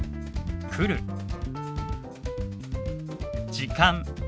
「時間」。